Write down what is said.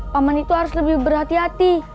paman itu harus lebih berhati hati